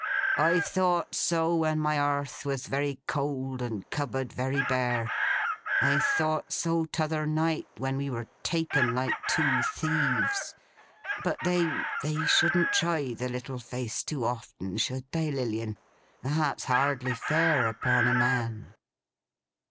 I've thought so, when my hearth was very cold, and cupboard very bare. I thought so t'other night, when we were taken like two thieves. But they—they shouldn't try the little face too often, should they, Lilian? That's hardly fair upon a man!